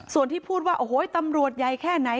ส่วนที่พูดว่าโอ้โหตำรวจใหญ่แค่ไหน